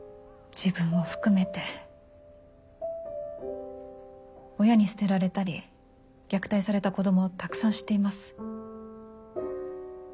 自分も含めて親に捨てられたり虐待された子どもをたくさん知っています。